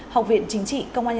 học viện chính trị công an cấp xã